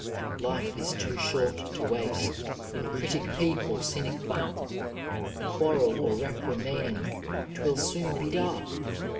^life iatoo short to waste. In critio peep or cynio bark. Quarrel or reprimand : *Twill soon l^ duck